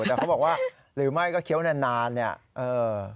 แต่เขาบอกว่าหรือไม่ก็เคี้ยวนานเนี่ยเออ